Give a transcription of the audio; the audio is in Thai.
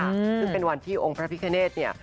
ซึ่งเป็นวันที่องค์พระพิคเนธเนี่ย